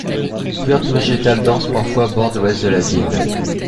Une couverture végétale dense parfois borde l'ouest de la ville.